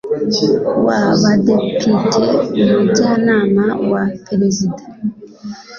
w Abadepite Umujyanama wa Perezida